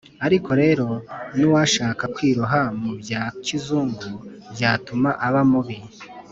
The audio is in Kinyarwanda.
ariko rero n’uwashaka kwiroha mu bya kizungu byatuma aba mubi